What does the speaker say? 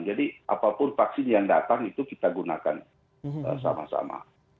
apapun vaksin yang datang itu kita gunakan sama sama